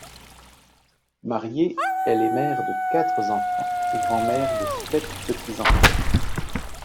Mariée, elle est mère de quatre enfants et grand-mère de sept petits-enfants.